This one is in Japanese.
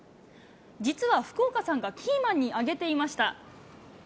実は福岡さんがキーマンに挙げていました。